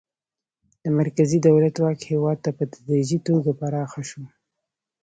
د مرکزي دولت واک هیواد ته په تدریجي توګه پراخه شو.